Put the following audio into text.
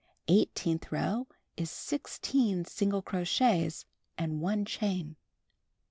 Eighteenth row is 16 single crochets and 1 chain.